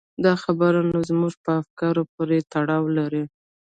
دا خبره نو زموږ په افکارو پورې تړاو لري.